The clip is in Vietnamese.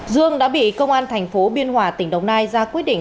dương đã bị công an thành phố biên hòa tỉnh đồng nai ra quyết định